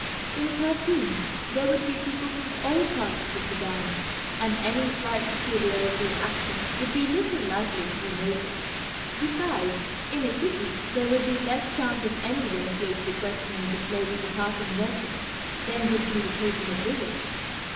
In Khartoum there would be people from all parts of the Soudan, and any slight peculiarity of accent would be little likely to be noticed; besides, in a city there would be less chance of any one closely questioning the slave of a passing merchant than would be the case in a village.